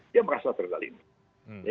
dia merasa tergali gali